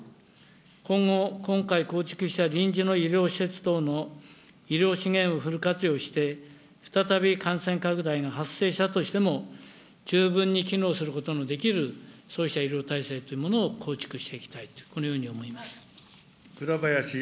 今後、今回構築した臨時の医療施設等の医療資源をフル活用して、再び感染拡大が発生したとしても、十分に機能することのできる、そうした医療体制というものを構築していきたいと、このように思います。